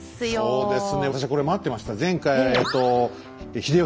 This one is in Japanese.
そうです！